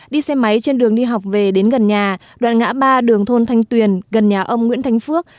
đi xe máy trên đường đi học về đến gần nhà đoạn ngã ba đường thôn thanh tuyền gần nhà ông nguyễn thanh phước